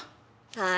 はい。